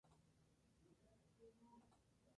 Su torneo favorito es el Masters de Miami.